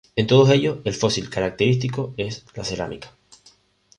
En todos ellos el fósil característico es la cerámica.